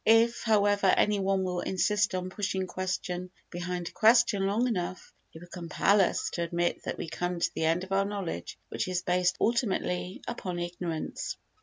If, however, any one will insist on pushing question behind question long enough, he will compel us to admit that we come to the end of our knowledge which is based ultimately upon ignorance.